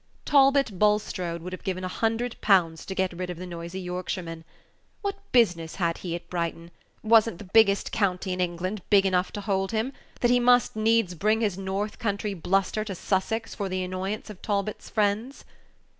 Talbot Bulstrode would have given a hundred pounds to get rid of the noisy Yorkshireman. What business had he at Brighton? Was n't the biggest county in England big enough to hold him, that he must needs bring his North country bluster to Sussex for the annoyance of Talbot's friends?